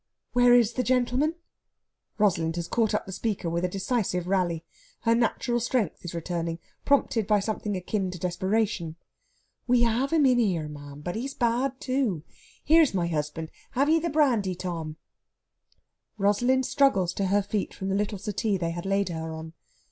"Where is the gentleman?" Rosalind has caught up the speaker with a decisive rally. Her natural strength is returning, prompted by something akin to desperation. "We have him in here, ma'am. But he's bad, too! Here's my husband. Have ye the brandy, Tom?" Rosalind struggles to her feet from the little settee they had laid her on.